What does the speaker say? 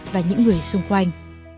và những người xung quanh